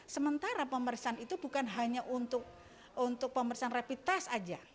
sementara pemeriksaan itu bukan hanya untuk pemeriksaan repites saja